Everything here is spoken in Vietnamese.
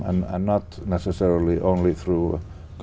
và anh cảm thấy